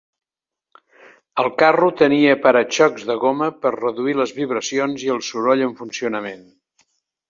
El carro tenia para-xocs de goma per reduir les vibracions i el soroll en funcionament.